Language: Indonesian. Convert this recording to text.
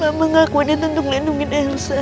mama ngakuinnya tentu ngelindungin elsa